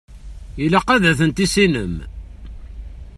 Ilaq ad ten-tissinem.